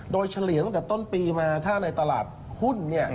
โดยเฉลี่ยตั้งแต่ต้นปีมาถ้าในตลาดหุ้น